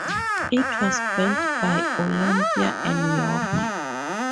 It was built by Olympia and York.